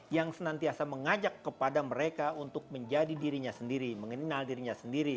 yang senantiasa mengajak kepada mereka untuk menjadi dirinya sendiri mengenal dirinya sendiri